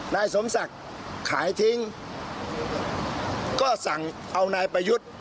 นายสมศักดิ์ขายทิ้งก็สั่งเอานายประยุทธ์